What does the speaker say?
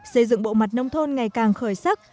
xây dựng bộ mặt nông thôn ngày càng khởi sắc